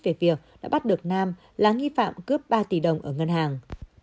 về việc đã bắt được nam là nghi phạm cướp ba tỷ đồng ở ngân hàng